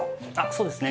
そうですね。